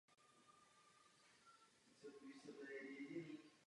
Ihned se zapojuje do partyzánského hnutí.